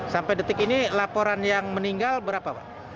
sampai detik ini laporan yang meninggal berapa pak